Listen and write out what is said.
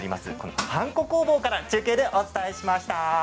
はんこ工房から中継でお伝えしました。